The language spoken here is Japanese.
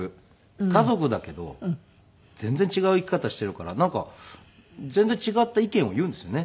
家族だけど全然違う生き方をしているからなんか全然違った意見を言うんですよね。